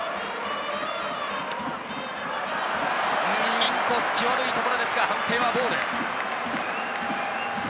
インコース、際どいところですが判定はボール。